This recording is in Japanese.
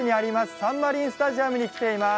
サンマリンスタジアムに来てます。